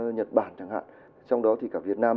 nhật bản chẳng hạn trong đó thì cả việt nam